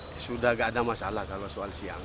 tidak masalah kalau soal siang